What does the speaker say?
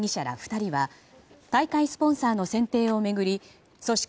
２人は大会スポンサーの選定を巡り組織